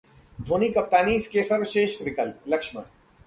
धोनी कप्तानी के सर्वश्रेष्ठ विकल्पः लक्ष्मण